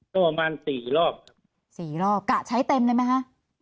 ก็ประมาณสี่รอบครับสี่รอบกะใช้เต็มเลยไหมคะ